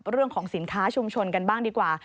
เรื่องของสินค้าชุมชนกันบ้างดีกว่า